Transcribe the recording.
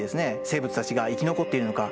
生物たちが生き残っているのか。